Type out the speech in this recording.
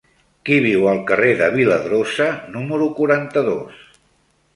Qui viu al carrer de Viladrosa número quaranta-dos?